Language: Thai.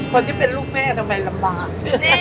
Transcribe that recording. คนที่เป็นลูกแม่ทำไมลำบาก